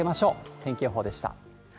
天気予報でした。